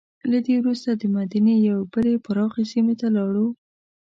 له دې وروسته دمدینې یوې بلې پراخې سیمې ته لاړو.